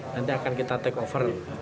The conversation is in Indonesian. nanti akan kita take over